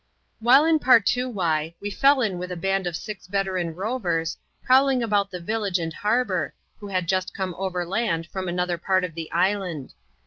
While in Partoowye, we fell in with a band of six veteran rovers, prowling about the village and harbour, who had just come overland from another part of the island.